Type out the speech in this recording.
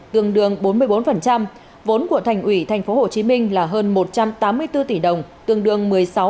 gương đường bốn mươi bốn vốn của thành ủy tp hcm là hơn một trăm linh